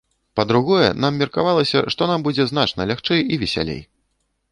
Па-другое, нам меркавалася, што нам будзе значна лягчэй і весялей.